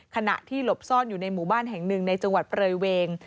ขณะที่หลบซ่อนอยู่ในหมู่บ้านแห่งหนึ่งในจังหวัดเปรยเวง